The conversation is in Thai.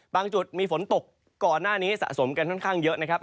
จุดมีฝนตกก่อนหน้านี้สะสมกันค่อนข้างเยอะนะครับ